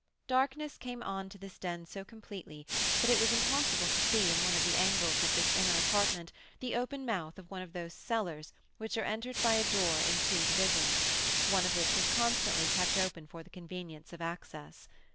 Darkness came on to this den so completely, that it was impossible to see in one of the angles of this inner apartment the open mouth of one of those cellars which are entered by a door in two divisions, one of which was constantly kept open for the convenience of access.